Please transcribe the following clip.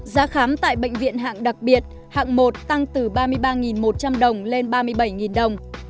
giá khám tại bệnh viện hạng đặc biệt hạng một tăng từ ba mươi ba một trăm linh đồng lên ba mươi bảy đồng